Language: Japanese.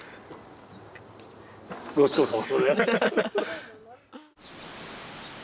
ごちそうさま。